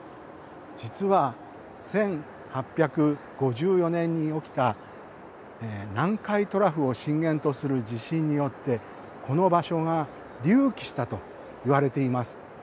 実は１８５４年に起きた南海トラフを震源とする地震によってこの場所が隆起したといわれています。